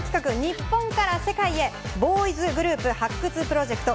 日本から世界へ、ボーイズグループ発掘プロジェクト。